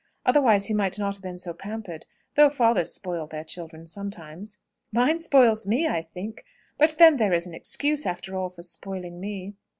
Otherwise he might not have been so pampered: though fathers spoil their children sometimes!" "Mine spoils me, I think. But then there is an excuse, after all, for spoiling me."